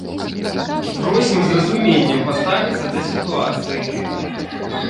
Просім з разуменнем паставіцца да сітуацыі.